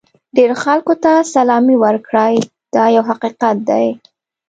ډېرو خلکو ته سلامي وکړئ دا یو حقیقت دی.